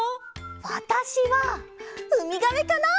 わたしはウミガメかな！